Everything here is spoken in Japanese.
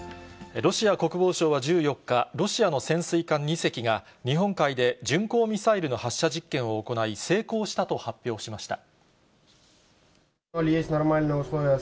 ロシア国防省は１４日、ロシアの潜水艦２隻が、日本海で巡航ミサイルの発射実験を行い、成功したと発表しました。